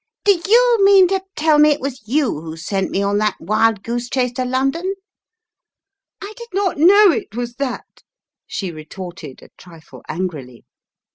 "Do you mean to tell me it was you who sent me on that wild goose chase to London?" "I did not know it was that/ 9 she retorted a trifle angrily.